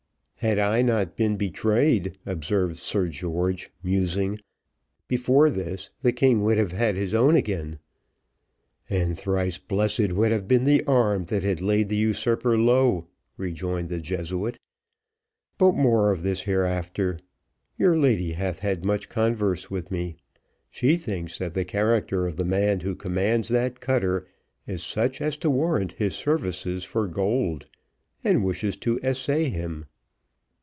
"Had I not been betrayed," observed Sir George, musing, "before this the king would have had his own again." "And thrice blessed would have been the arm that had laid the usurper low," rejoined the Jesuit; "but more of this hereafter. Your lady hath had much converse with me. She thinks that the character of the man who commands that cutter, is such as to warrant his services for gold and wishes to essay him."